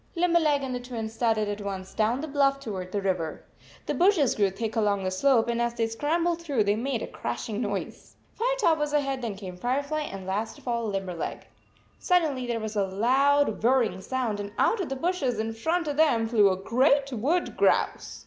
Limberleg and the Twins started at once down the bluff toward the river. The bushes grew thick along the slope, and as they scrambled through them they made a crash ing noise. Firetop was ahead, then came Firefly, and last of all Limberleg. Suddenly there was a loud whirring sound, and out of the bushes in front of them flew a great wood grouse